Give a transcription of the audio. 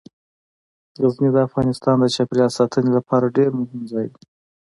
غزني د افغانستان د چاپیریال ساتنې لپاره ډیر مهم ځای دی.